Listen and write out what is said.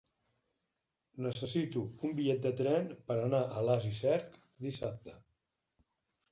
Necessito un bitllet de tren per anar a Alàs i Cerc dissabte.